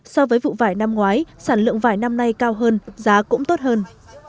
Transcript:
so với vụ vải năm ngoái sản lượng vải năm nay cao hơn giá cũng tốt hơn